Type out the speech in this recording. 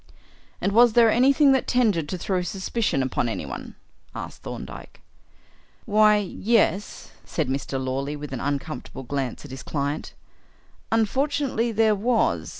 "And was there anything that tended to throw suspicion upon anyone?" asked Thorndyke. "Why, yes," said Mr. Lawley, with an uncomfortable glance at his client, "unfortunately there was.